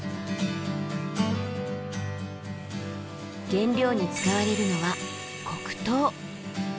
原料に使われるのは黒糖。